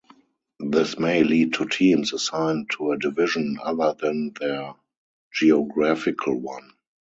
This may lead to teams assigned to a division other than their geographical one.